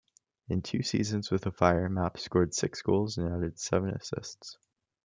In two seasons with the Fire, Mapp scored six goals and added seven assists.